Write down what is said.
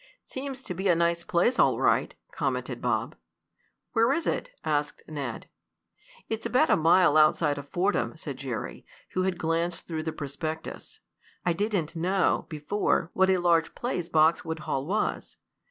"Seems to be a nice place all right," commented Bob. "Where is it?" asked Ned. "It's about a mile outside of Fordham," said Jerry, who had glanced through the prospectus. "I didn't know, before, what a large place Boxwood Hall was.